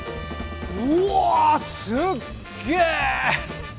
うわすっげえ！